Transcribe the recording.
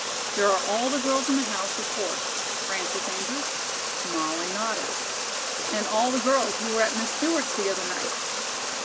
"There are all the girls in the house, of course." "Frances Andrews?" Molly nodded. "And all the girls who were at Miss Stewart's the other night."